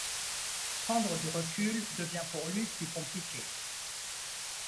Prendre du recul devient pour lui plus compliqué.